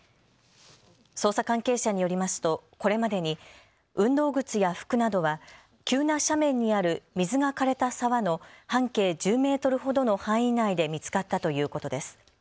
捜査関係者によりますとこれまでに運動靴や服などは急な斜面にある水がかれた沢の半径１０メートルほどの範囲内で見つかったということです。